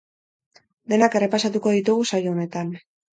Denak errepasatuko ditugu saio honetan.